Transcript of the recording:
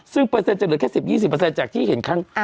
ซึ่งเปอร์เซ็นจะเหลือแค่๑๐๒๐จากที่เห็นครั้ง